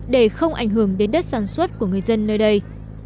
để không ảnh hưởng đến đất sản xuất của người dân nơi đây